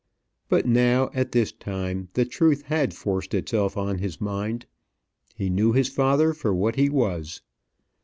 But now, at this time, the truth had forced itself on his mind. He knew his father for what he was.